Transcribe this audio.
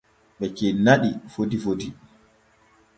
Ɓe cenna ɗi foti foti.